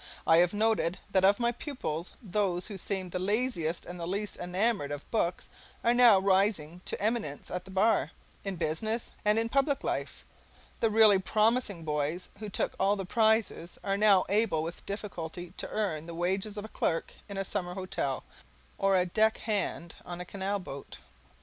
I have noted that of my pupils, those who seemed the laziest and the least enamoured of books are now rising to eminence at the bar, in business, and in public life; the really promising boys who took all the prizes are now able with difficulty to earn the wages of a clerk in a summer hotel or a deck hand on a canal boat.